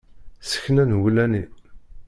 Ssekna n wulani.